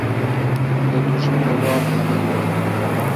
لە دوژمن ڕاپەڕیوە